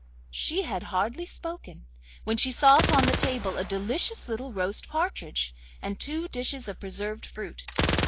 She had hardly spoken when she saw upon the table a delicious little roast partridge, and two dishes of preserved fruit.